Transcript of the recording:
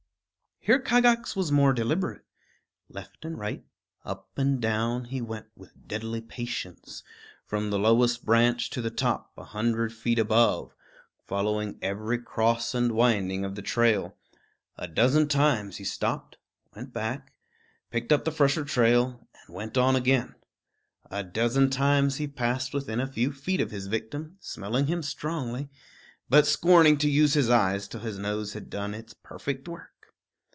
Here Kagax was more deliberate. Left and right, up and down he went with deadly patience, from the lowest branch to the top, a hundred feet above, following every cross and winding of the trail. A dozen times he stopped, went back, picked up the fresher trail, and went on again. A dozen times he passed within a few feet of his victim, smelling him strongly, but scorning to use his eyes till his nose had done its perfect work.